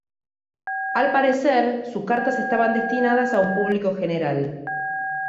Al parecer, sus cartas estaban destinadas a un público general.